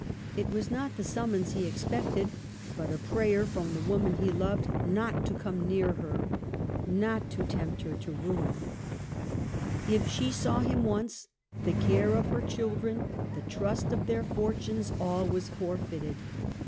It was not the summons he expected ; but a prayer from the woman he loved not to come near her, not to tempt her to ruin ; if she saw him once, the care of her children, the trust of their fortunes, all was forfeited.